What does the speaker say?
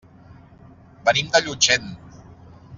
Venim de Llutxent.